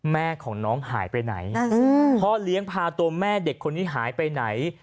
แม่ของน้องหายไปไหนพ่อเลี้ยงพาตัวแม่เด็กคนนี้หายไปไหน